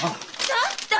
ちょっと！